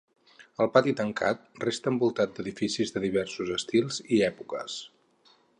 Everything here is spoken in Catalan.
El pati tancat resta envoltat d'edificis de diversos estils i èpoques.